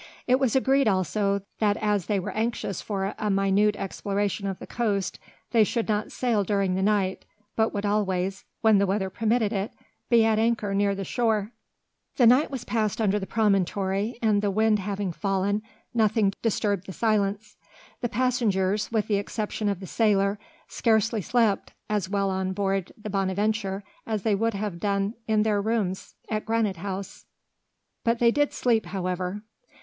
It was agreed also that as they were anxious for a minute exploration of the coast they should not sail during the night, but would always, when the weather permitted it, be at anchor near the shore. The night was passed under the promontory, and the wind having fallen, nothing disturbed the silence. The passengers, with the exception of the sailor, scarcely slept as well on board the Bonadventure as they would have done in their rooms at Granite House, but they did sleep however.